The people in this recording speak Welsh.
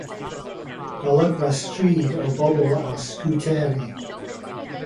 Golygfa stryd o bobl ar sgwteri.